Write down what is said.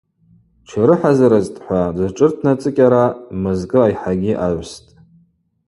Тширыхӏазырызтӏхӏва, дызшӏыртнацӏыкӏьара мызкӏы айхӏагьи агӏвстӏ.